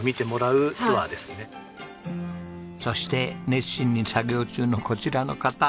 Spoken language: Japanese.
そして熱心に作業中のこちらの方。